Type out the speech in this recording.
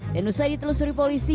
dan usai ditelusuri polisi